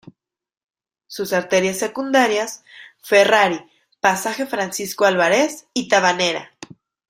Sus arterias secundarias: Ferrari, pasaje Francisco Álvarez, y Tabanera.